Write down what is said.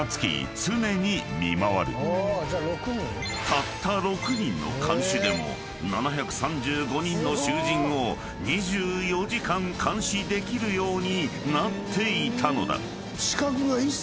［たった６人の看守でも７３５人の囚人を２４時間監視できるようになっていたのだ］